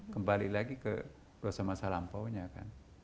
kembali lagi ke dosa masa lampaunya kan